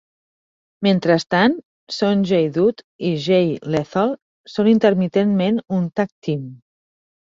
Mentrestant, Sonjay Dutt i Jay Lethal són intermitentment un tag-team.